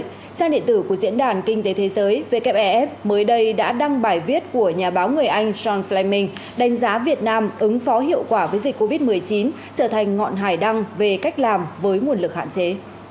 trang điện tử của diễn đàn kinh tế thế giới wef mới đây đã đăng bài viết của nhà báo người anh john flaymoning đánh giá việt nam ứng phó hiệu quả với dịch covid một mươi chín trở thành ngọn hải đăng về cách làm với nguồn lực hạn chế